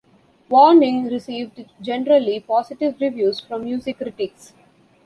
"Warning" received generally positive reviews from music critics.